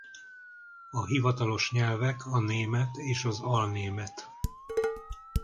A hivatalos nyelvek a német és az alnémet.